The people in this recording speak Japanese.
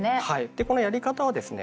でこのやり方はですね